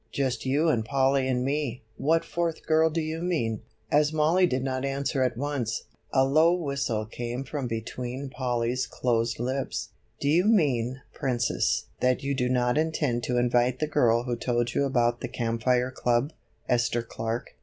"Just you and Polly and me; what fourth girl do you mean?" As Mollie did not answer at once, a low whistle came from between Polly's closed lips. "Do you mean, Princess, that you do not intend to invite the girl who told you about the Camp Fire Club, Esther Clark?